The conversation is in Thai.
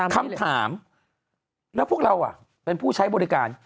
คำถามแล้วพวกเราเป็นผู้ใช้บริการ